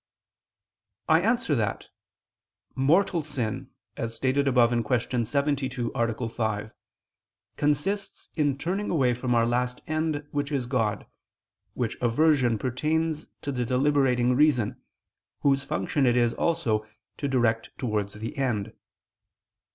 I answer that, Mortal sin, as stated above (Q. 72, A. 5), consists in turning away from our last end which is God, which aversion pertains to the deliberating reason, whose function it is also to direct towards the end.